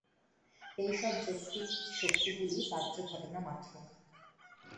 এইসব যৌগিক শক্তিগুলি বাহ্য ঘটনা মাত্র।